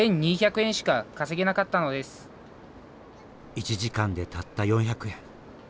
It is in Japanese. １時間でたった４００円。